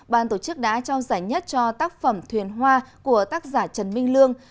ban tổ chức đã trao giải nhất cho tác phẩm thuyền hoa của tác giả trần minh lương